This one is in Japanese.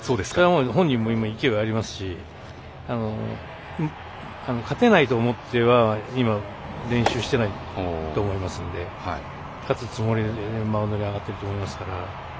本人も勢いがありますし勝てないと思って練習していないと思いますので勝つつもりで、マウンドに上がってると思いますから。